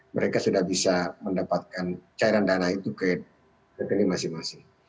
mereka sudah bisa mendapatkan cairan dana itu ke rekening masing masing